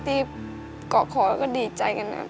ที่เกาะคอแล้วก็ดีใจกันมาก